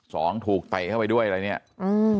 สองถูกไตเข้าไปด้วยอะไรอย่างนี้